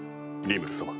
リムル様。